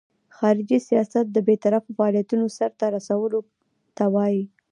خارجي سیاست د بیطرفه فعالیتونو سرته رسولو ته وایي.